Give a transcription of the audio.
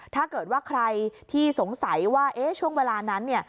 ถ้าเกิดว่าใครที่สงสัยว่าช่วงเวลานั้นเนี่ย